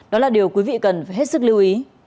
đó là điều quý vị cần phải hết sức lưu ý